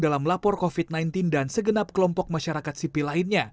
dalam lapor covid sembilan belas dan segenap kelompok masyarakat sipil lainnya